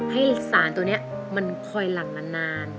ให้สารตัวนี้มันคอยหลั่งนาน